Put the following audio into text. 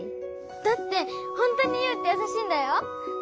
だってほんとにユウってやさしいんだよ。